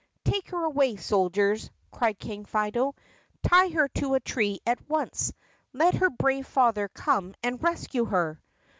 "Take her away, soldiers!" cried King Fido. "Tie her to a tree at once! Let her brave father come and rescue her!"